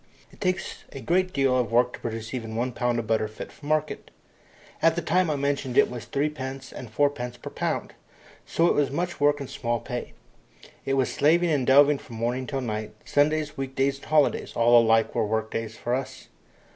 It takes a great deal of work to produce even one pound of butter fit for market. At the time I mention it was 3d. and 4d. per lb., so it was much work and small pay. It was slaving and delving from morning till night Sundays, week days, and holidays, all alike were work days to us.